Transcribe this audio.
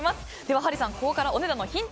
ハリーさん、ここからお値段のヒント